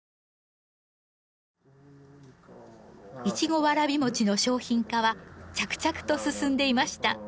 イチゴわらび餅の商品化は着々と進んでいました。